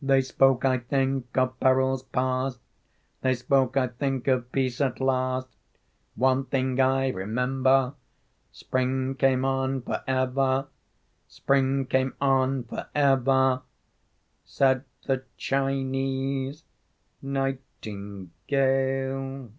They spoke, I think, of perils past. They spoke, I think, of peace at last. One thing I remember: Spring came on forever, Spring came on forever," Said the Chinese nightingale.